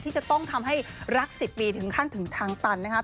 จะต้องทำให้รัก๑๐ปีถึงขั้นถึงทางตันนะครับ